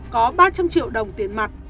có ba trăm linh triệu đồng tiền mặt